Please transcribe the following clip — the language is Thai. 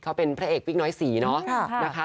เขาเป็นพระเอกวิกน้อยสีเนอะ